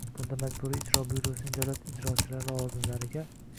Bunda Majburiy ijro byurosining davlat ijrochilari lavozimlariga: